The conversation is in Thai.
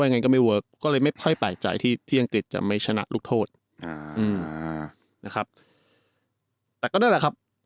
ยิงรู้โทษไม่เวิร์คไม่ว่ายังไงแตลลึก